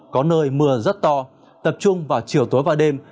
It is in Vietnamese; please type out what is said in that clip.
có nơi mưa rất to tập trung vào chiều tối và đêm